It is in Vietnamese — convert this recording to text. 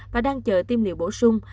và đang chờ tiêm liệu bổ sung